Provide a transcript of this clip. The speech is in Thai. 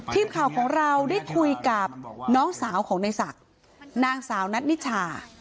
ทีมข่าวของเราได้คุยกับน้องสาวของในศักดิ์นางสาวนัทนิชา